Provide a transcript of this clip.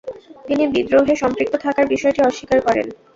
তিনি বিদ্রোহে সম্পৃক্ত থাকার বিষয়টি অস্বীকার করেন।